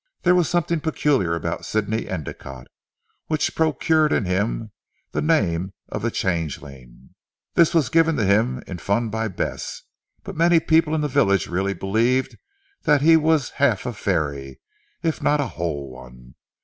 There was something peculiar about Sidney Endicotte, which procured him the name of the Changeling. This was given to him in fun by Bess; but many people in the village really believed that he was half a fairy if not a whole one.